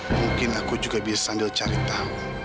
mungkin aku juga bisa sambil cari tahu